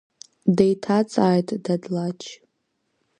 Деиҭаҵааит Дадлач.